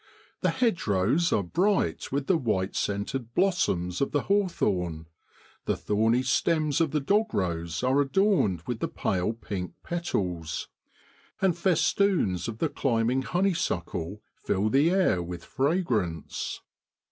The hedgerows are bright with the white scented 46 MAT IJV BROADLAND. blossoms of the hawthorn, the thorny stems of the dog rose are adorned with the pale pink petals, and festoons of the climbing honeysuckle fill the air with fragrance.